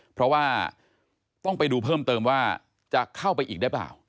เพราะว่าต้องไปดูเพิ่มเติมว่าจะเข้าไปอีกได้เปล่า